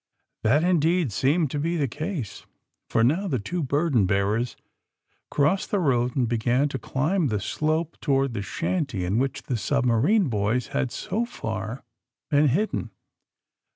f That, indeed, seemed to be the case, for now the two burden bearers crossed the road and began to climb the slope toward the shanty in which the submarine boys had so far been hid den.